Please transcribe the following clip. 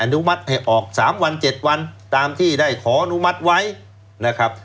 นุมัติให้ออก๓วัน๗วันตามที่ได้ขออนุมัติไว้นะครับ